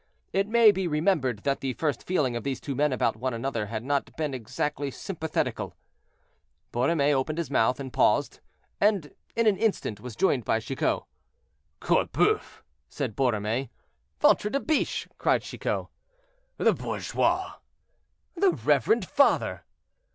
It may be remembered that the first feeling of these two men about one another had not been exactly sympathetical. Borromée opened his mouth, and paused; and in an instant was joined by Chicot. "Corboeuf!" said Borromée. "Ventre de biche!" cried Chicot. "The bourgeois!" "The reverend father!"